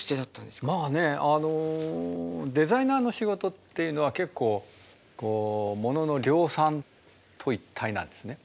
まあねあのデザイナーの仕事っていうのは結構モノの量産と一体なんですね。